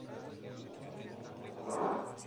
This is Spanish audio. Está en un bioma de Caatinga.